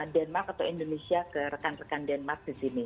denmark atau indonesia ke rekan rekan denmark di sini